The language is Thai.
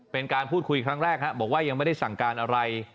เป็นการพูดคุยครั้งแรกบอกว่ายังไม่ได้สั่งการอะไร